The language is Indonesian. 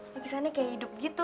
lukisannya kayak hidup gitu